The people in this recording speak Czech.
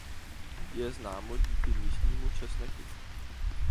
Je známo díky místnímu česneku.